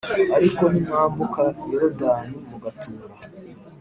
Ariko nimwambuka Yorodani mugatura